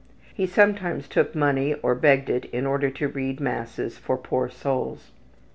He sometimes took money or begged it in order to read masses for poor souls.